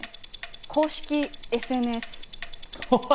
公式ＳＮＳ。